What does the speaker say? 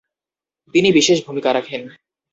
তিনি বিশেষ ভূমিকা রাখেন।